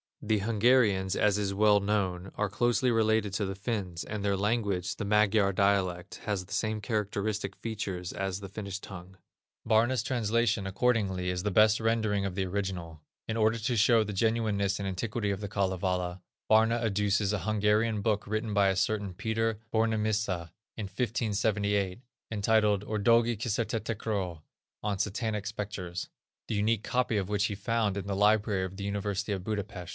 The Hungarians, as is well known, are closely related to the Finns, and their language, the Magyar dialect, has the same characteristic features as the Finnish tongue. Barna's translation, accordingly, is the best rendering of the original. In order to show the genuineness and antiquity of the Kalevala, Barna adduces a Hungarian book written by a certain Peter Bornemissza, in 1578, entitled Ördögi Kisertetekröl (on Satanic Specters), the unique copy of which he found in the library of the University of Budapest.